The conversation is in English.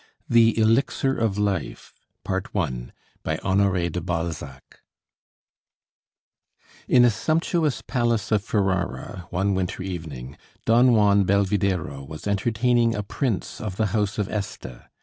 THE ELIXIR OF LIFE BY HONORE DE BALZAC In a sumptuous palace of Ferrara, one winter evening, Don Juan Belvidéro was entertaining a prince of the house of Este.